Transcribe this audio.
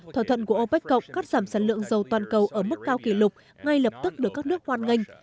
thỏa thuận của opec cộng cắt giảm sản lượng dầu toàn cầu ở mức cao kỷ lục ngay lập tức được các nước hoan nghênh